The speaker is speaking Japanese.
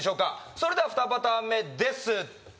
それでは２パターン目です